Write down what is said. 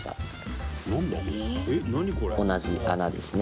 同じ穴ですね。